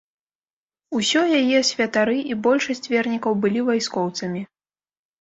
Усё яе святары і большасць вернікаў былі вайскоўцамі.